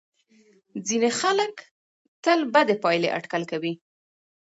ځینې خلک تل بدې پایلې اټکل کوي.